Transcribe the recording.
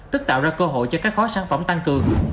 tức tạo ra cơ hội cho các gói sản phẩm tăng cường